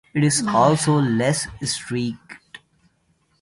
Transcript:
It is also less streaked.